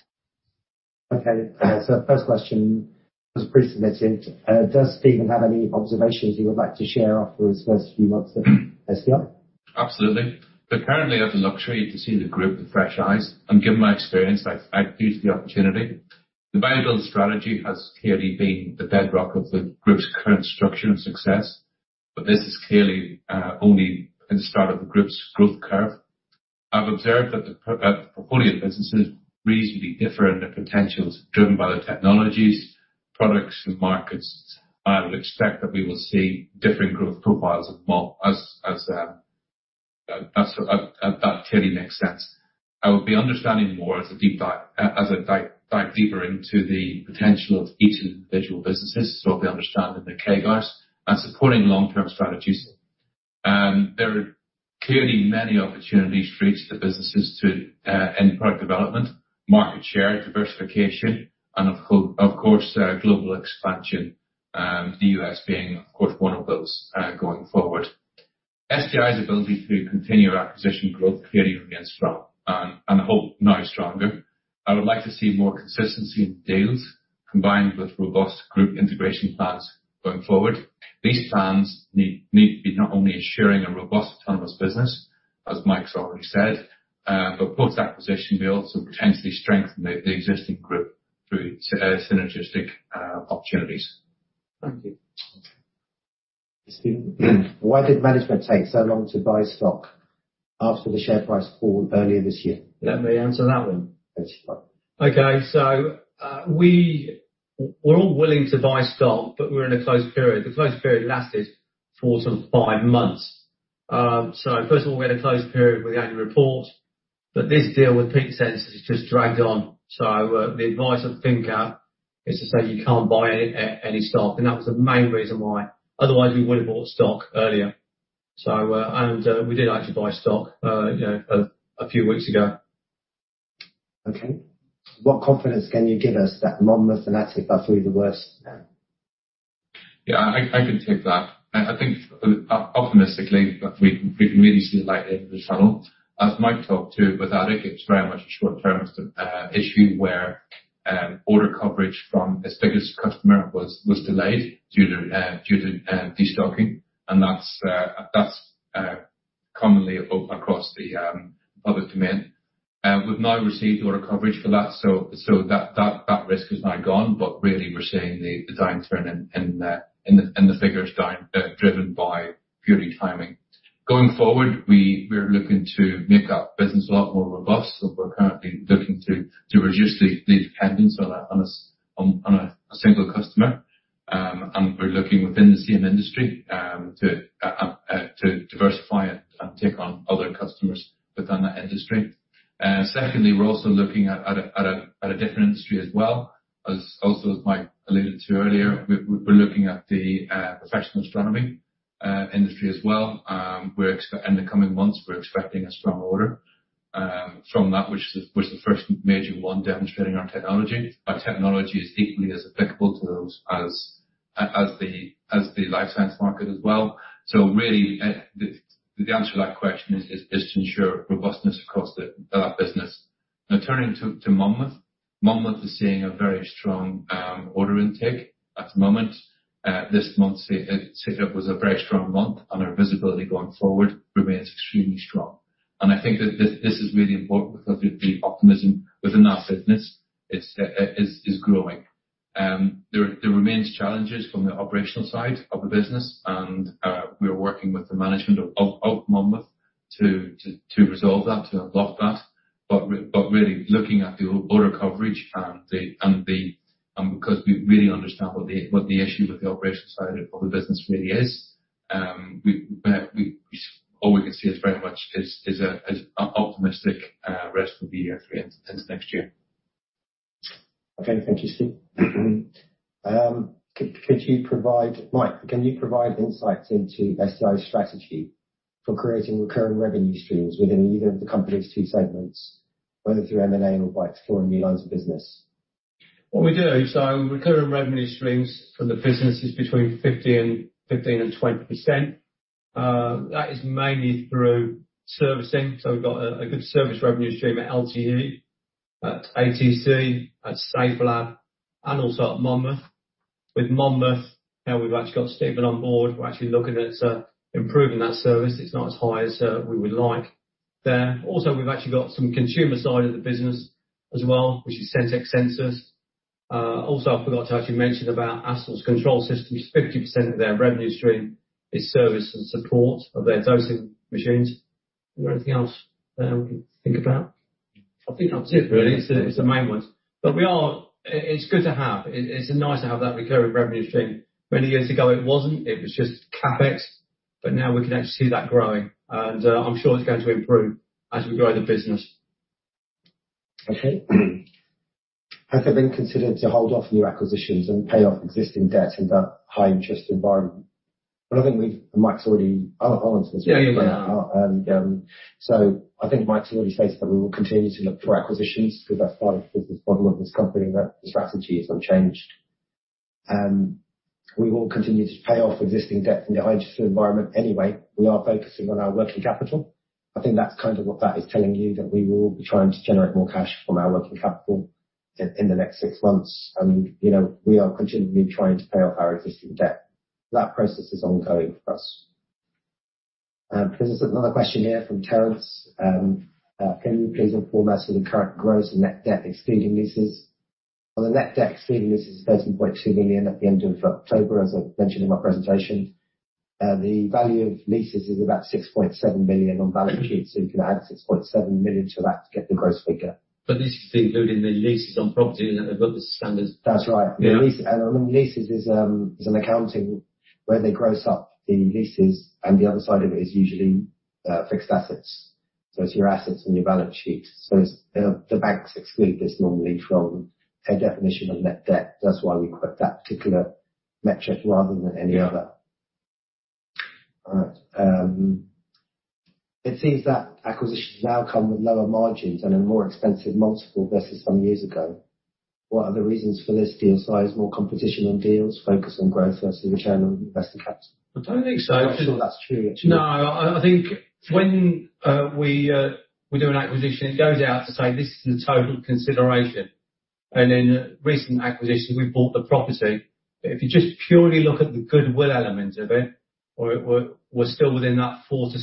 Okay. So the first question was pre-submitted: Does Stephen have any observations he would like to share after his first few months at SDI? Absolutely. So currently, I have the luxury to see the group with fresh eyes, and given my experience, I used the opportunity. The buy and build strategy has clearly been the bedrock of the group's current structure and success, but this is clearly only in the start of the group's growth curve. I've observed that the portfolio of businesses reasonably differ in their potentials, driven by the technologies, products, and markets. I would expect that we will see different growth profiles of more as, as, as that clearly makes sense. I will be understanding more as a deep dive, as I dive deeper into the potential of each individual businesses, so I'll be understanding the CAGRs and supporting long-term strategies. There are clearly many opportunities for each of the businesses to in product development, market share, diversification, and of course, global expansion, the U.S. being, of course, one of those, going forward. SDI's ability to continue our acquisition growth clearly remains strong and I hope now stronger. I would like to see more consistency in deals, combined with robust group integration plans going forward. These plans need to be not only ensuring a robust autonomous business, as Mike has already said, but post-acquisition, we also potentially strengthen the existing group through synergistic opportunities. Thank you. Stephen, why did management take so long to buy stock after the share price fall earlier this year? Let me answer that one. Thanks. Okay, so, we-- we're all willing to buy stock, but we're in a closed period. The closed period lasted for some five months. So first of all, we had a closed period with the annual report, but this deal with Peak Sensors has just dragged on. So, the advice of the broker is to say, "You can't buy any stock," and that was the main reason why. Otherwise, we would have bought stock earlier. And we did actually buy stock, you know, a few weeks ago. Okay. What confidence can you give us that Monmouth and Atik are through the worst now? Yeah, I can take that. I think optimistically, we can really see the light at the end of the tunnel. As Mike talked to, with Atik, it's very much a short-term issue, where order coverage from its biggest customer was delayed due to destocking, and that's commonly across the public domain. We've now received order coverage for that, so that risk is now gone, but really, we're seeing the down turn in the figures down driven by purely timing. Going forward, we're looking to make our business a lot more robust, so we're currently looking to reduce the dependence on a single customer. We're looking within the same industry to diversify and take on other customers within that industry. Secondly, we're also looking at a different industry as well, as Mike alluded to earlier, we're looking at the professional astronomy industry as well. In the coming months, we're expecting a strong order from that, which is the first major one demonstrating our technology. Our technology is equally as applicable to those as the life science market as well. So really, the answer to that question is to ensure robustness across our business. Now, turning to Monmouth. Monmouth is seeing a very strong order intake at the moment. This month, it was a very strong month, and our visibility going forward remains extremely strong. And I think that this is really important because the optimism within that business is growing. There remains challenges from the operational side of the business, and we are working with the management of Monmouth to resolve that, to unlock that, but really, looking at the order coverage because we really understand what the issue with the operational side of the business really is, we all we can see is very much an optimistic rest of the year, for instance, next year. Okay, thank you, Steve. Mike, can you provide insights into SDI's strategy for creating recurring revenue streams within either of the company's two segments, whether through M&A or by exploring new lines of business? What we do, so recurring revenue streams from the business is between 15% and 20%. That is mainly through servicing, so we've got a good service revenue stream at LTE, at ATC, at Safelab, and also at Monmouth. With Monmouth, now we've actually got Stephen on board, we're actually looking at improving that service. It's not as high as we would like there. Also, we've actually got some consumer side of the business as well, which is Sentek Sensors. Also, I forgot to actually mention about Astles' control systems. 50% of their revenue stream is service and support of their dosing machines. Is there anything else we can think about? I think that's it, really. It's the main ones. But we are—it's good to have. It's nice to have that recurring revenue stream. Many years ago, it wasn't. It was just CapEx, but now we can actually see that growing, and I'm sure it's going to improve as we grow the business. Okay. Has it been considered to hold off new acquisitions and pay off existing debt in that high interest environment? Well, I think we've-- Mike's already-- I'll answer this one. Yeah, yeah, yeah. I think Mike's already stated that we will continue to look for acquisitions because that's part of the business model of this company, and that strategy is unchanged. We will continue to pay off existing debt in the high interest environment anyway. We are focusing on our working capital. I think that's kind of what that is telling you, that we will be trying to generate more cash from our working capital in the next six months. You know, we are continually trying to pay off our existing debt. That process is ongoing for us. There is another question here from Terence. "Can you please inform us of the current gross and net debt, excluding leases?" Well, the net debt excluding leases is 13.2 million at the end of October, as I mentioned in my presentation. The value of leases is about 6.7 million on balance sheet, so you can add 6.7 million to that to get the gross figure. But this is including the leases on property and the book standards. That's right. Yeah. And leases is, is an accounting where they gross up the leases, and the other side of it is usually, fixed assets. So it's your assets and your balance sheet. So it's, the banks exclude this normally from their definition of net debt. That's why we quote that particular metric rather than any other. Yeah. All right, it seems that acquisitions now come with lower margins and a more expensive multiple versus some years ago. What are the reasons for this deal size? More competition on deals, focus on growth versus return on invested capital? I don't think so. I'm not sure that's true, actually. No, I think when we do an acquisition, it goes out to say, "This is the total consideration." And in recent acquisitions, we bought the property. But if you just purely look at the goodwill element of it, we're still within that 4-6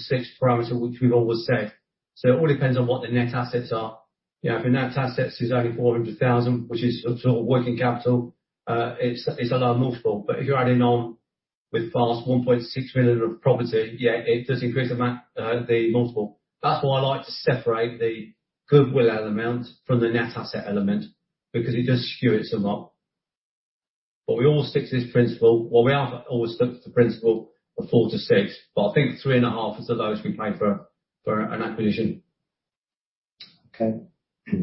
parameter, which we've always said. So it all depends on what the net assets are. You know, if the net assets is only 400,000, which is sort of working capital, it's a low multiple. But if you're adding on with FAST 1.6 million of property, yeah, it does increase the multiple. That's why I like to separate the goodwill element from the net asset element, because it just skews it so much. But we always stick to this principle, well, we have always stuck to the principle of 4-6, but I think 3.5 is the lowest we paid for an acquisition. Okay.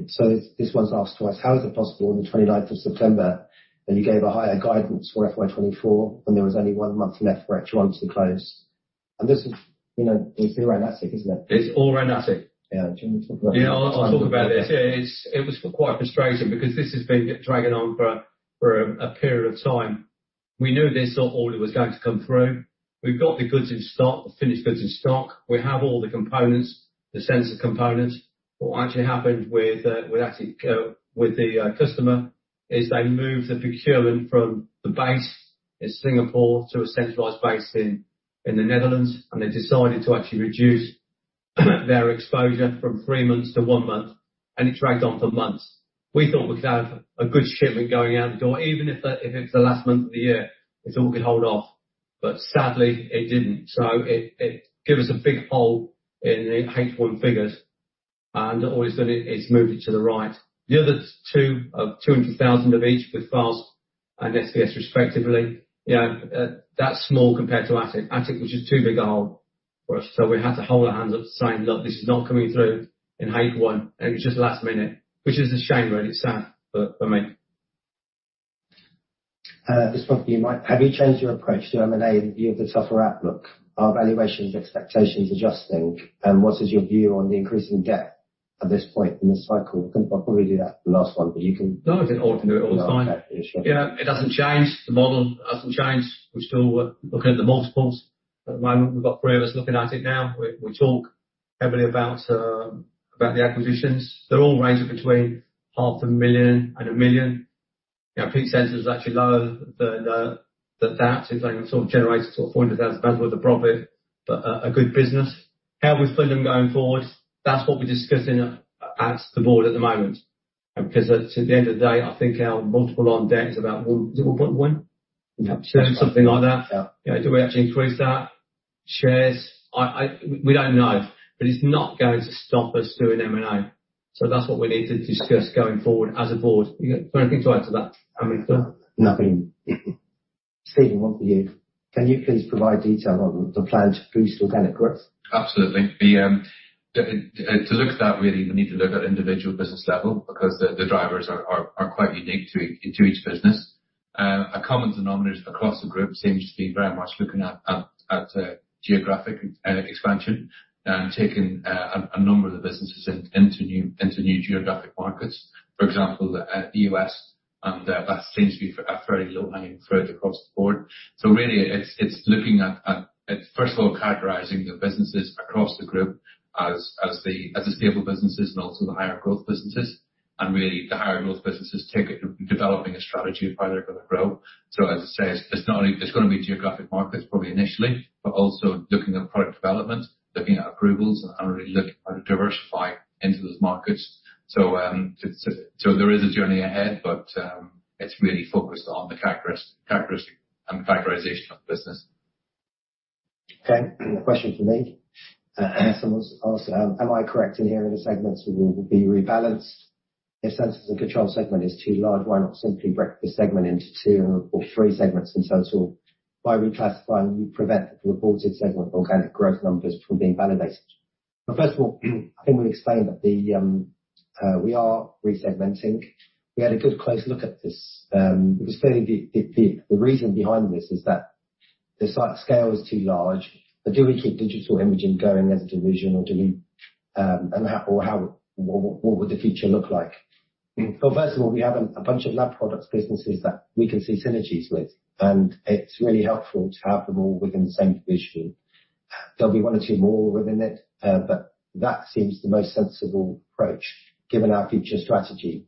So this one's asked twice: How is it possible on the 29th of September, that you gave a higher guidance for FY 2024 when there was only 1 month left for H1 to close? And this is, you know, it's been around Atik, isn't it? It's all around Atik. Yeah. Do you want me to talk about it? Yeah, I'll talk about it. It was quite frustrating because this has been dragging on for a period of time. We knew this order was going to come through. We've got the goods in stock, the finished goods in stock. We have all the components, the sensor components. What actually happened with Atik, with the customer, is they moved the procurement from the base in Singapore to a centralized base in the Netherlands, and they decided to actually reduce their exposure from three months to one month, and it dragged on for months. We thought we could have a good shipment going out the door, even if it's the last month of the year, it all could hold off, but sadly, it didn't. So it gave us a big hole in the H1 figures, and all it's done is move it to the right. The other two, 200,000 of each with FAST and SVS, respectively, you know, that's small compared to Atik. Atik, which is too big a hole for us. So we had to hold our hands up and say, "Look, this is not coming through in H1." And it was just last minute, which is a shame, and it's sad for me. This is probably for you, Mike. Have you changed your approach to M&A in view of the tougher outlook? Are valuations expectations adjusting, and what is your view on the increasing debt at this point in the cycle? I'll probably do that last one, but you can- No, I can do it all. It's fine. Sure. Yeah. It doesn't change. The model hasn't changed. We're still looking at the multiples. At the moment, we've got three of us looking at it now. We talk heavily about the acquisitions. They're all ranging between £500,000 and £1 million. You know, Peak Sensors is actually lower than that. It only sort of generates sort of £400,000 worth of profit, but a good business. How we fund them going forward, that's what we're discussing at the board at the moment. Because at the end of the day, I think our multiple on debt is about 1.1x? Yeah. Something like that. Yeah. Do we actually increase that? Shares... I-- We don't know, but it's not going to stop us doing M&A. So that's what we need to discuss going forward as a board. You got anything to add to that, Ami? Nothing. Stephen, one for you. Can you please provide detail on the plan to boost organic growth? Absolutely. To look at that, really, we need to look at individual business level because the drivers are quite unique to each business. A common denominator across the group seems to be very much looking at geographic expansion and taking a number of the businesses into new geographic markets. For example, US, and that seems to be a very low-hanging fruit across the board. So really, it's looking at... First of all, categorizing the businesses across the group as the stable businesses and also the higher growth businesses. And really, the higher growth businesses developing a strategy of how they're going to grow. So as I say, it's not only—it's going to be geographic markets, probably initially, but also looking at product development, looking at approvals, and really looking how to diversify into those markets. So, there is a journey ahead, but, it's really focused on the characterization of the business. Okay. A question for me. Someone's asked: Am I correct in hearing the segments will be rebalanced? If Sensors & Control segment is too large, why not simply break the segment into two or three segments in total? By reclassifying, you prevent the reported segment organic growth numbers from being validated. Well, first of all, I think we explained that we are resegmenting. We had a good close look at this. Because clearly, the reason behind this is that the size scale is too large, but do we keep Digital Imaging going as a division or do we, and how or how, what would the future look like? Well, first of all, we have a bunch of lab products businesses that we can see synergies with, and it's really helpful to have them all within the same division. There'll be one or two more within it, but that seems the most sensible approach, given our future strategy.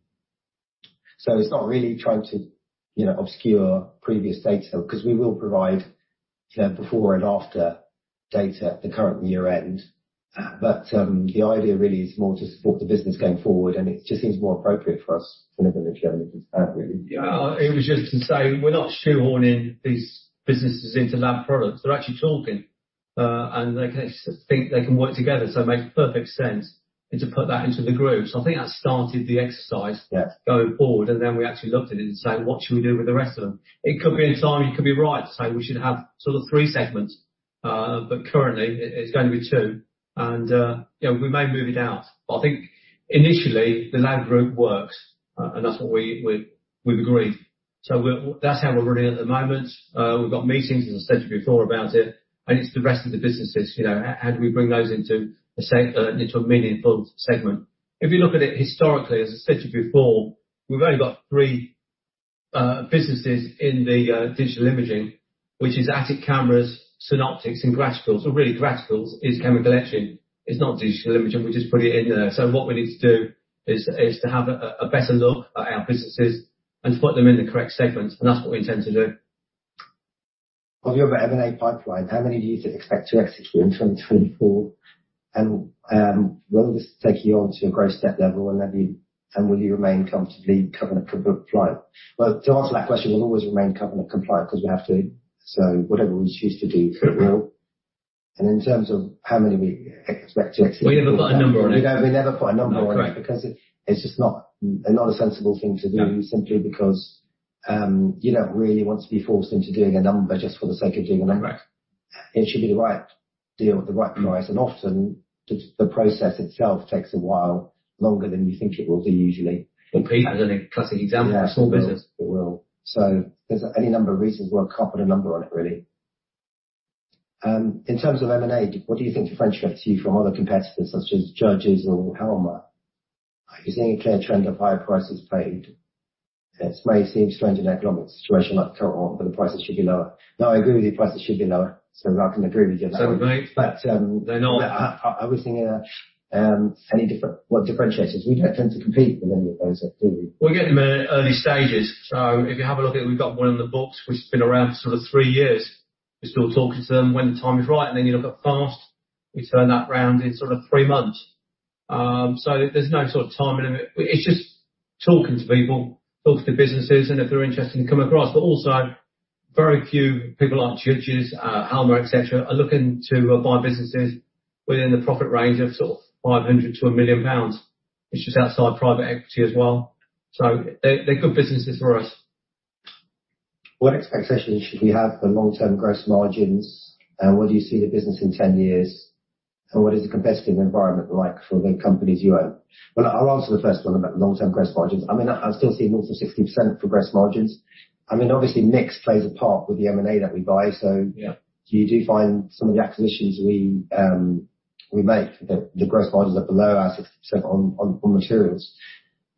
So it's not really trying to, you know, obscure previous data, because we will provide, you know, before and after data at the current year end. But, the idea really is more to support the business going forward, and it just seems more appropriate for us to live in the really. Yeah. It was just to say, we're not shoehorning these businesses into lab products. They're actually talking, and they think they can work together, so it makes perfect sense, and to put that into the group. So I think that started the exercise- Yeah. Going forward, and then we actually looked at it and said, "What should we do with the rest of them?" It could be in time, it could be right to say we should have sort of three segments, but currently it, it's going to be two. And, you know, we may move it out, but I think initially, the lab group works, and that's what we, we, we've agreed. So we're-- that's how we're running at the moment. We've got meetings, as I said before, about it, and it's the rest of the businesses, you know, how do we bring those into a seg-- into a meaningful segment? If you look at it historically, as I said it before, we've only got three businesses in the Digital Imaging, which is Atik Cameras, Synoptics, and Graticules. So really, Graticules is chemical etching. It's not Digital Imaging, we just put it in there. So what we need to do is to have a better look at our businesses and put them in the correct segments, and that's what we intend to do. Of your M&A pipeline, how many do you expect to exit through in 2024? And, will this take you on to a growth step level, and then you-- and will you remain comfortably covenant compliant? Well, to answer that question, we'll always remain covenant compliant because we have to. So whatever we choose to do, it will. And in terms of how many we expect to exit- We never put a number on it. We never put a number on it. Correct. Because it's just not a sensible thing to do- No simply because, you don't really want to be forced into doing a number just for the sake of doing a number. Correct. It should be the right deal at the right price, and often, just the process itself takes a while, longer than you think it will do, usually. Peak is a classic example of small business. It will. So there's any number of reasons why I can't put a number on it, really. In terms of M&A, what do you think differentiates you from other competitors such as Judges or Halma? Are you seeing a clear trend of higher prices paid? This may seem strange in an economic situation like the current one, but the prices should be lower. No, I agree with you, prices should be lower, so I can agree with you on that. So, right. But, um- They're not. I was thinking—what differentiates us? We don't tend to compete with any of those, do we? We get them at early stages. So if you have a look at it, we've got one in the books, which has been around for sort of three years. We're still talking to them when the time is right, and then you look at FAST. We turn that round in sort of three months. So there's no sort of time limit. It's just talking to people, talking to businesses, and if they're interested, to come across. But also very few people like Judges, Halma, et cetera, are looking to buy businesses within the profit range of sort of 500 to 1 million pounds. It's just outside private equity as well. So they're, they're good businesses for us. What expectations should we have for long-term gross margins, and where do you see the business in 10 years? And what is the competitive environment like for the companies you own? Well, I'll answer the first one about long-term gross margins. I mean, I still see more than 60% for gross margins. I mean, obviously, mix plays a part with the M&A that we buy, so- Yeah... you do find some of the acquisitions we make, the gross margins are below our 60% on materials.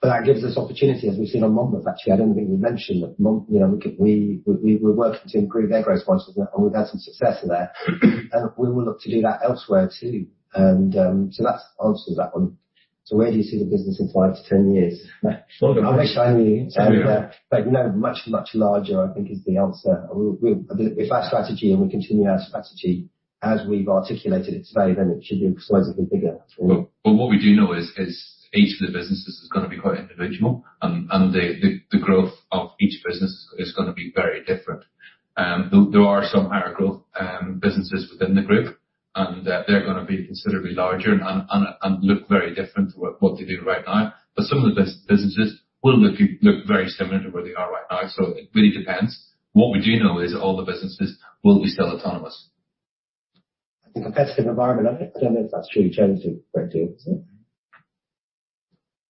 But that gives us opportunity, as we've seen on Monmouth, actually. I don't think we mentioned that Monmouth—you know, we, we're working to improve their gross margins, and we've had some success there. And we will look to do that elsewhere, too. And so that answers that one. So where do you see the business in 5-10 years? I wish I knew. Sure. But, you know, much, much larger, I think is the answer. We, if that's strategy, and we continue our strategy as we've articulated it today, then it should be significantly bigger. What we do know is each of the businesses is gonna be quite individual, and the growth of each business is gonna be very different. There are some higher growth businesses within the group, and they're gonna be considerably larger and look very different to what they do right now. But some of the businesses will look very similar to where they are right now, so it really depends. What we do know is all the businesses will be still autonomous. The competitive environment, I don't know if that's true, James, to compare to.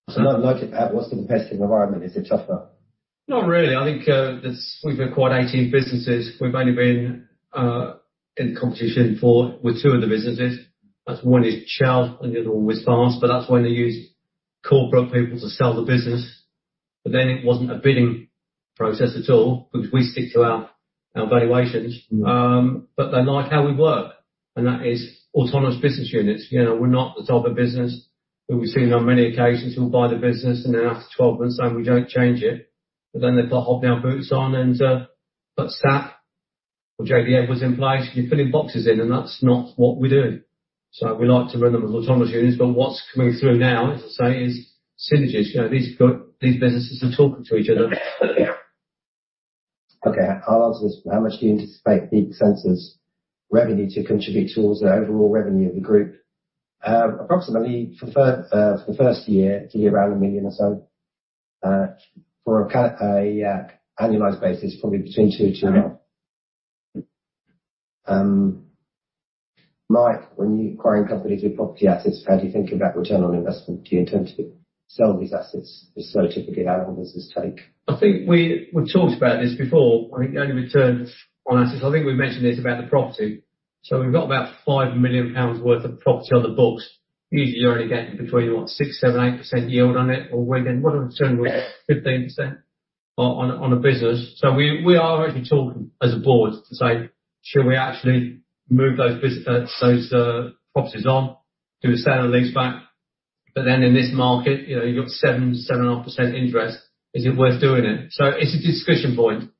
So not, not at what's the competitive environment, is it tougher? Not really. I think, there's—we've acquired 18 businesses. We've only been in competition for with two of the businesses. That's one is Chell and the other one was FAST, but that's when they used corporate people to sell the business. But then it wasn't a bidding process at all, because we stick to our, our valuations. But they like how we work, and that is autonomous business units. You know, we're not the type of business, but we've seen on many occasions, we'll buy the business, and then after 12 months, and we don't change it, but then they've got hobnail boots on and put SAP or JD Edwards in place. You're filling boxes in, and that's not what we do. So we like to run them as autonomous units, but what's coming through now, as I say, is synergies. You know, these businesses are talking to each other. Okay, I'll answer this. How much do you anticipate the Synoptics revenue to contribute towards the overall revenue of the group? Approximately for the first year, it'll be around 1 million or so. For an annualized basis, probably between 2 million and 2.5 million. Mike, when you're acquiring companies with property assets, how do you think about return on investment? Do you intend to sell these assets or keep it? How long does this take? I think we, we've talked about this before. I think the only return on assets, I think we've mentioned this about the property. So we've got about 5 million pounds worth of property on the books. Usually, you're only getting between what? 6, 7, 8% yield on it, or we're getting return with 15% on, on a business. So we, we are actually talking as a board to say, "Should we actually move those business, those properties on, do a sale and lease back?" But then in this market, you know, you got 7, 7.5% interest. Is it worth doing it? So it's a discussion point,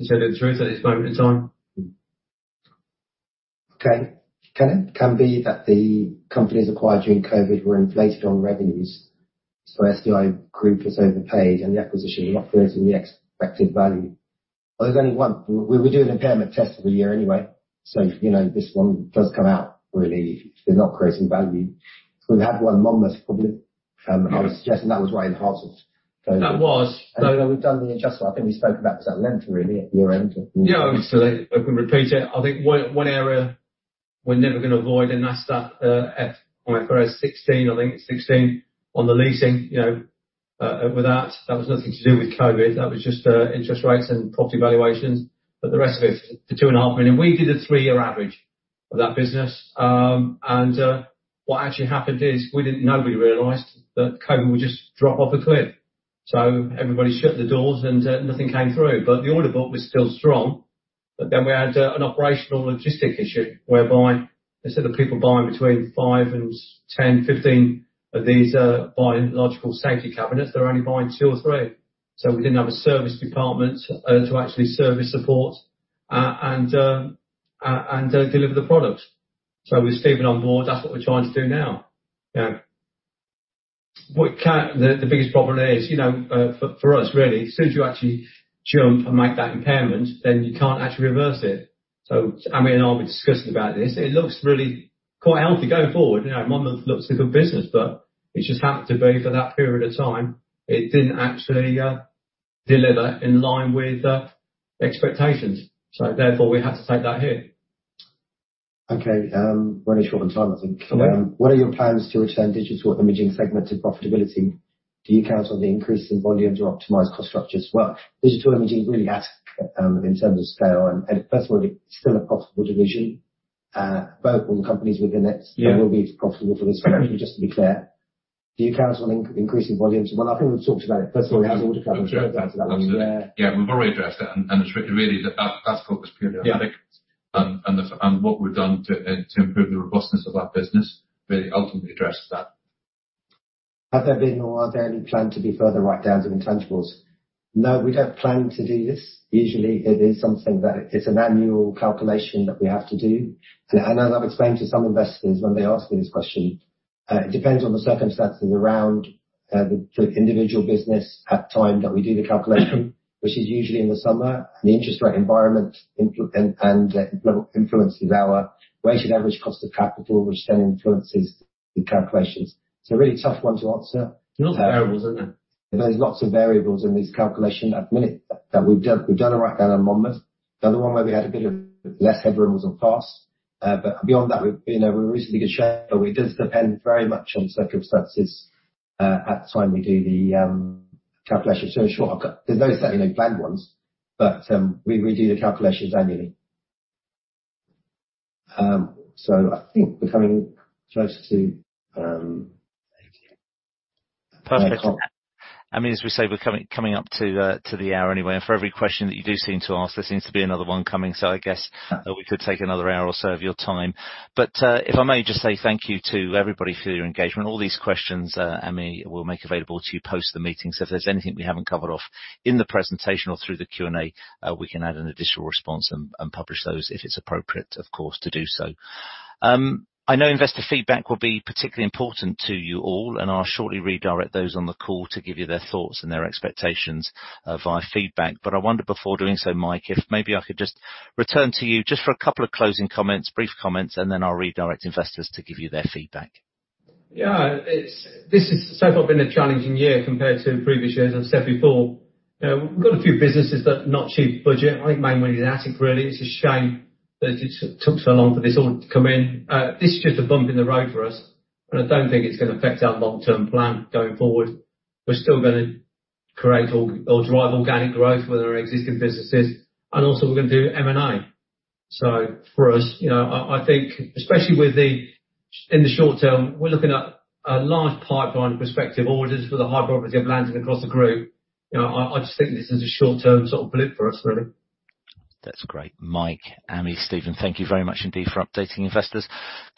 to tell you the truth, at this moment in time. Okay. Can it be that the companies acquired during COVID were inflated on revenues, so SDI Group was overpaid and the acquisition not creating the expected value? Well, there's only one. We do an impairment test every year anyway, so, you know, this one does come out really is not creating value. We've had one Monmouth public, I was suggesting that was right in the heart of COVID. That was. We've done the adjustment. I think we spoke about that at length, really, at year-end. Yeah, absolutely. I can repeat it. I think one area we're never gonna avoid, and that's that, IFRS 16, I think it's sixteen, on the leasing. You know, with that, that was nothing to do with COVID. That was just, interest rates and property valuations. But the rest of it, the 2.5 million, we did a 3-year average of that business. And, what actually happened is we didn't, nobody realized that COVID would just drop off a cliff. So everybody shut the doors, and, nothing came through. But the order book was still strong. But then we had, an operational logistic issue whereby instead of people buying between five and 10, 15 of these, biological safety cabinets, they're only buying two or three. So we didn't have a service department, to actually service support, and deliver the product. So with Stephen on board, that's what we're trying to do now. You know, the biggest problem is, you know, for us, really, as soon as you actually jump and make that impairment, then you can't actually reverse it. So Ami and I, we discussed about this. It looks really quite healthy going forward. You know, Monmouth looks a good business, but it just happened to be for that period of time, it didn't actually deliver in line with expectations. So therefore, we had to take that hit. Okay, we're running short on time, I think. Okay. What are your plans to return Digital Imaging segment to profitability? Do you count on the increase in volume to optimize cost structure as well? Digital Imaging really at, in terms of scale, and first of all, it's still a profitable division, both all the companies within it- Yeah. will be profitable for this quarter, just to be clear. Do you count on increasing volumes? Well, I think we've talked about it. First of all, we have- Absolutely. Yeah, we've already addressed it, and it's really that focus purely on Atik. Yeah. And what we've done to improve the robustness of that business really ultimately addresses that. Have there been or are there any plan to be further write-downs of intangibles? No, we don't plan to do this. Usually, it is something that... It's an annual calculation that we have to do. And as I've explained to some investors when they ask me this question, it depends on the circumstances around the individual business at the time that we do the calculation, which is usually in the summer, and the interest rate environment influences our weighted average cost of capital, which then influences the calculations. It's a really tough one to answer. There's variables in there. There's lots of variables in this calculation. Admit it, that we've done, we've done a write-down on Monmouth. The other one where we had a bit of less headroom was on FAST. But beyond that, we've, you know, we're in a reasonably good shape, but it does depend very much on circumstances, at the time we do the calculation. So sure, there's no certainly planned ones, but, we, we do the calculations annually. So I think we're coming close to... Perfect. I mean, as we say, we're coming up to the hour anyway, and for every question that you do seem to ask, there seems to be another one coming. So I guess we could take another hour or so of your time. But, if I may just say thank you to everybody for your engagement. All these questions, Ami, we'll make available to you post the meeting. So if there's anything we haven't covered off in the presentation or through the Q&A, we can add an additional response and publish those, if it's appropriate, of course, to do so. I know investor feedback will be particularly important to you all, and I'll shortly redirect those on the call to give you their thoughts and their expectations via feedback. I wonder, before doing so, Mike, if maybe I could just return to you just for a couple of closing comments, brief comments, and then I'll redirect investors to give you their feedback. Yeah, it's this has so far been a challenging year compared to previous years. As I said before, we've got a few businesses that have not achieved budget. I think mainly is Atik, really. It's a shame that it took so long for this all to come in. This is just a bump in the road for us, and I don't think it's gonna affect our long-term plan going forward. We're still gonna create or drive organic growth with our existing businesses, and also we're gonna do M&A. So for us, you know, I think, especially with the... In the short term, we're looking at a large pipeline of prospective orders for the high probability of landing across the group. You know, I just think this is a short-term sort of blip for us, really. That's great. Mike, Ami, Stephen, thank you very much indeed for updating investors.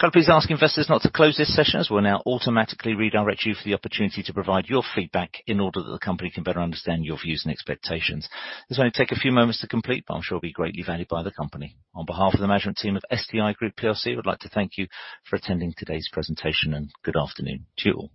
Can I please ask investors not to close this session, as we'll now automatically redirect you for the opportunity to provide your feedback in order that the company can better understand your views and expectations. This will only take a few moments to complete, but I'm sure it'll be greatly valued by the company. On behalf of the management team of SDI Group plc, I would like to thank you for attending today's presentation, and good afternoon to you all.